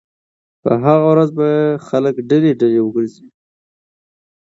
په هغه ورځ به خلک ډلې ډلې ورګرځي